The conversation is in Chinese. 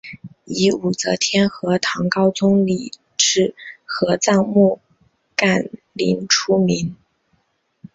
以武则天和唐高宗李治合葬墓干陵出名。